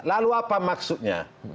lalu apa maksudnya